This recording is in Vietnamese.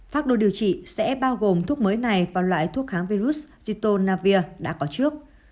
pháp đồ điều trị sẽ bao gồm thuốc mới này và loại thuốc kháng virus zitonavir đã có trước